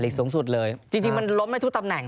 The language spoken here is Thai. หลีกสูงสุดเลยจริงมันล้มในทุกตำแหน่ง